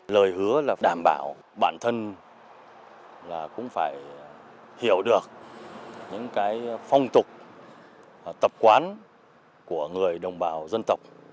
lời hứa là đảm bảo bản thân là cũng phải hiểu được những cái phong tục tập quán của người đồng bào dân tộc